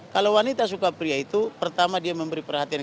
kalau wanita suka pria itu pertama dia memberikan